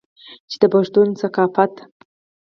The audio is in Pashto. چې د پښتون ثقافت